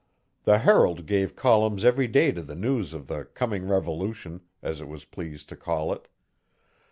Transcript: The Herald gave columns every day to the news of 'the coming Revolution', as it was pleased to call it.